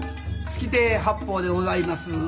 月亭八方でございます。